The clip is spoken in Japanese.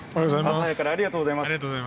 朝早くからありがとうございます。